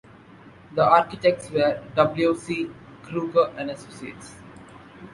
The architects were W. C. Kruger and Associates.